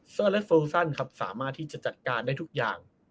เซอร์เล็กเซอร์ลสันธิ์สามารถที่จะจัดการทุกอย่าง